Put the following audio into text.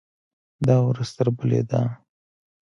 دا ورځ تر بلې ده.